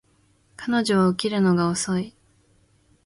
彼女は起きるのが遅い